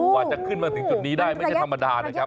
กว่าจะขึ้นมาถึงจุดนี้ได้ไม่ใช่ธรรมดานะครับ